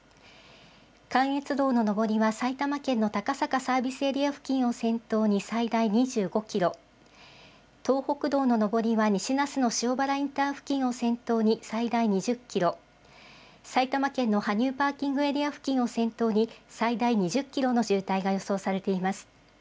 関越道の上りは埼玉県の高坂サービスエリア付近を先頭に最大２５キロ、東北道の上りは西那須野塩原インター付近を先頭に最大２０キロ、埼玉県の羽生パーキングエリア付近を先頭に最大２０キロの渋滞が予想されています。